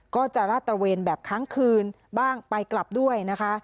ก็จะลาดตระเวนแบบครั้งคืนบ้างไปกลับด้วยนะคะ